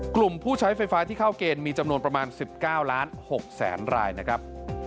กลุ่มผู้ใช้ไฟฟ้าที่เข้าเกณฑ์มีจำนวนประมาณ๑๙ล้าน๖แสนรายนะครับ